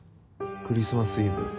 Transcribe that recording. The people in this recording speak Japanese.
クリスマスイブ